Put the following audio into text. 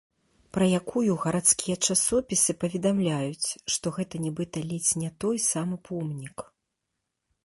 Пра якую гарадскія часопісы паведамляюць, што гэта нібыта ледзь не той самы помнік.